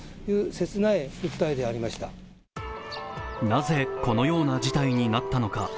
なぜこのような事態になったのか。